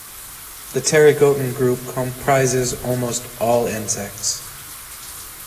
The pterygotan group comprises almost all insects.